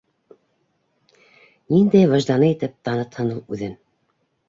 Ниндәй выжданы етеп танытһын ул үҙен?